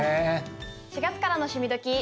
４月からの「趣味どきっ！」。